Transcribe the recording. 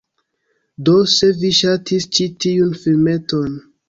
Do, se vi ŝatis ĉi tiun filmeton..